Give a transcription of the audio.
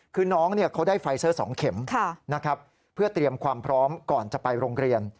คือน้องเขาได้ไฟเซอร์๒เข็มนะครับเพื่อเตรียมความพร้อมก่อนจะไปโรงเรียน